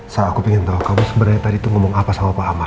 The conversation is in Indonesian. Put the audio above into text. sa aku pengen tau kamu sebenernya tadi tuh ngomong apa sama pak amar